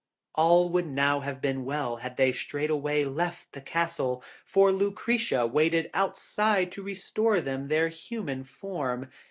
All would now have been well had they straightway left the castle, for Lucretia waited outside to restore to them their human form.